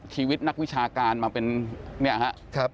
ชีวิตนักวิชาการมาเป็นเนี่ยครับ